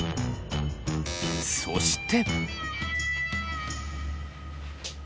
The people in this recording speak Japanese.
そして。